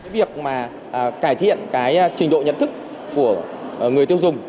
việc mà cải thiện cái trình độ nhận thức của người tiêu dùng